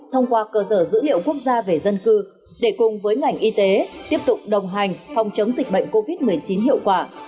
thông qua cơ sở dữ liệu quốc gia về dân cư để cùng với ngành y tế tiếp tục đồng hành phòng chống dịch bệnh covid một mươi chín hiệu quả